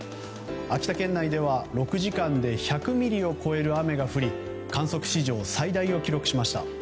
秋田県内では６時間で１００ミリを超える雨が降り観測史上最大を記録しました。